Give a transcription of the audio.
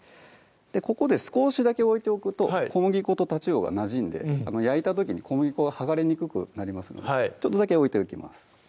ここで少しだけ置いておくと小麦粉とたちうおがなじんで焼いた時に小麦粉が剥がれにくくなりますのでちょっとだけ置いておきます